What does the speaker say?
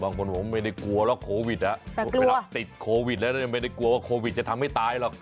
บางคนผมไม่ได้กลัวหรอกโควิดเวลาติดโควิดแล้วยังไม่ได้กลัวว่าโควิดจะทำให้ตายหรอก